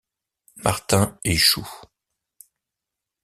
Martin échoue.